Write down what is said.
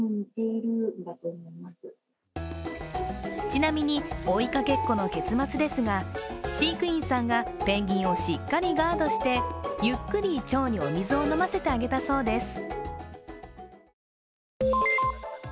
ちなみに追いかけっこの結末ですが、飼育員さんがペンギンをしっかりガードしてゆっくりちょうにお水を飲ませてあげたそうです。